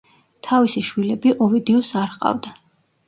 თავისი შვილები ოვიდიუსს არ ჰყავდა.